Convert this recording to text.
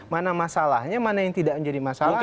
mana masalahnya mana yang tidak menjadi masalah